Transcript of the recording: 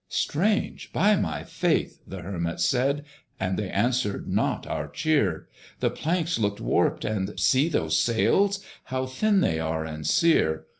"Strange, by my faith!" the Hermit said "And they answered not our cheer! The planks looked warped! and see those sails, How thin they are and sere!